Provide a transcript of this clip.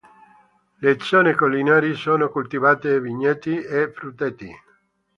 Le zone collinari sono coltivate a vigneti e frutteti.